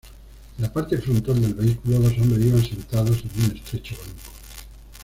En la parte frontal del vehículo, dos hombres iban sentados en un estrecho banco.